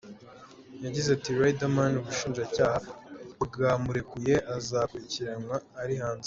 Yagize ati: “ Riderman ubushinjacyaha bwamurekuye, azakurikiranwa ari hanze.